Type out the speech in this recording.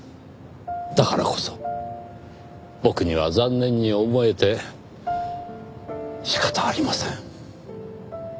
だからこそ僕には残念に思えて仕方ありません。